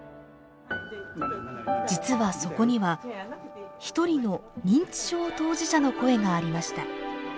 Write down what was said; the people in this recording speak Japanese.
実はそこには一人の認知症当事者の声がありました。